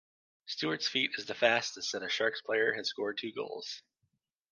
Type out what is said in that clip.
Stuart's feat is the fastest that a Sharks player has scored two goals.